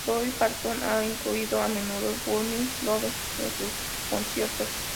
Dolly Parton ha incluido a menudo "Burning Love" en sus conciertos.